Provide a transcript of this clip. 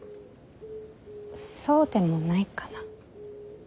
そうでもないかな。